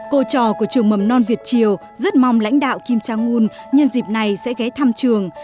cô trò của trường mầm non việt triều rất mong lãnh đạo kim chaun nhân dịp này sẽ ghé thăm trường